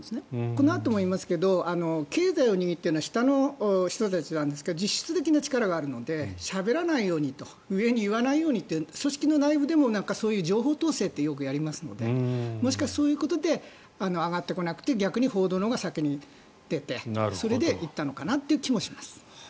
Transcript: このあとも言いますが経済を握っているのは下の人たちなんですが実質的な力があるのでしゃべらないようにと上に言わないようにと組織の内部でもそういう情報統制ってよくやりますのでもしかすると、そういうことで上がってこなくて逆に報道のほうが先に出てそれで言ったのかなという気もします。